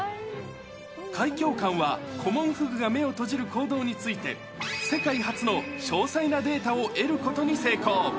海響館は、コモンフグが目を閉じる行動について、世界初の詳細なデータを得ることに成功。